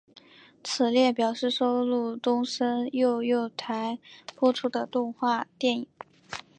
此列表示收录东森幼幼台播出过的动画电影。